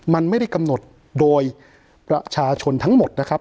มันไม่ได้กำหนดโดยประชาชนทั้งหมดนะครับ